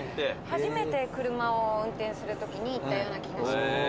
初めて車を運転するときに行ったような気が。